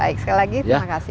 baik sekali lagi terima kasih